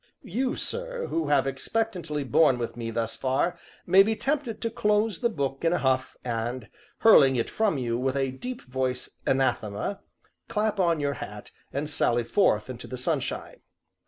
You, sir, who have expectantly borne with me thus far, may be tempted to close the book in a huff, and, hurling it from you, with a deep voiced anathema, clap on your hat, and sally forth into the sunshine.